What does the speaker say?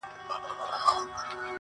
ما نن د هغې سترگي د غزل سترگو ته راوړې,